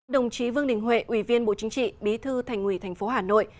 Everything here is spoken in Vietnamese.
đồng chí vương đình huệ ủy viên bộ chính trị bí thư thành ủy thành phố hà nội